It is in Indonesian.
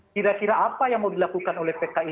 kira kira apa yang mau dilakukan oleh pki